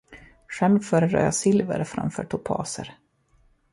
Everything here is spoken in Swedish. Själv föredrar jag silver framför topaser.